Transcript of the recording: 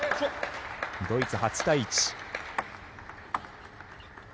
ドイツ８対１。